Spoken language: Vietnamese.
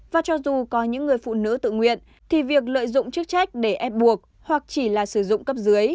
và cho dù có những người phụ nữ tự nguyện thì việc lợi dụng chức trách để ép buộc hoặc chỉ là sử dụng cấp dưới